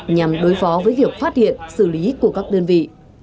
nhằm đối phó với việc phát hiện xử lý của các đơn vị